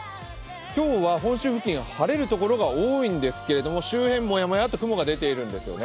今日は本州付近、晴れるところが多いんですけれども、周辺、もやもやっと雲が出ているんですね。